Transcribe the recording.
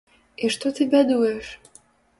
І што ты бядуеш?